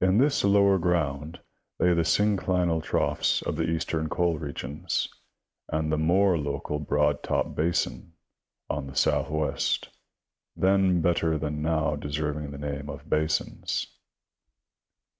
In this lower ground lay the synclinal troughs of the eastern coal regions, and the more local Broad Top basin, BT, on the southwest, then better than now deserving the name of basins.